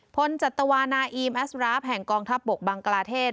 พลจัตวานาอีมแอสราฟแห่งกองทัพบกบังกลาเทศ